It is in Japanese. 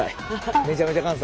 めちゃめちゃ関西。